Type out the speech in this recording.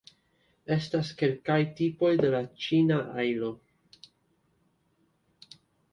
Estas kelkaj tipoj de la ĉina ajlo.